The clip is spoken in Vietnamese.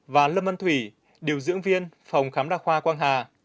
và lâm ân thủy điều dưỡng viên phòng khám đa khoa quang hà